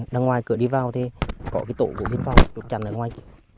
đằng ngoài cửa đi vào thì có cái tổ của huyện phong được chặt ở ngoài